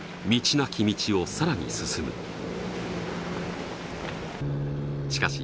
なき道をさらに進むしかし